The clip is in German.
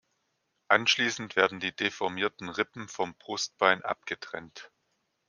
Anschließend werden die deformierten Rippen vom Brustbein abgetrennt.